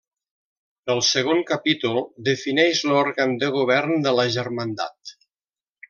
El segon capítol, defineix l'òrgan de govern de la Germandat.